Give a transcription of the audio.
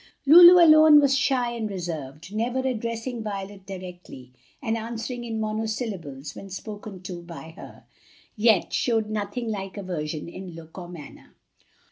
Lulu alone was shy and reserved, never addressing Violet directly and answering in monosyllables when spoken to by her, yet showed nothing like aversion in look or manner.